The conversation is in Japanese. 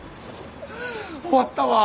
終わったわ。